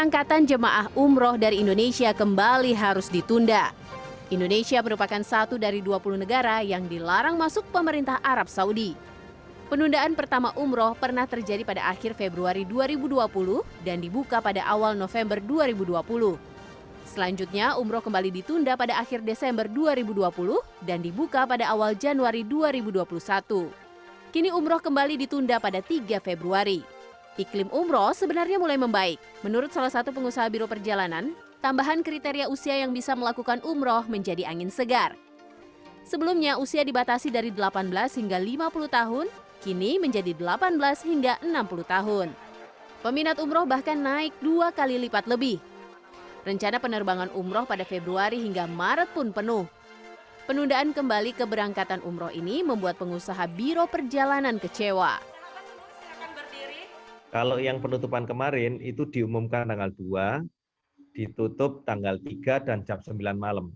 kalau yang penutupan kemarin itu diumumkan tanggal dua ditutup tanggal tiga dan jam sembilan malam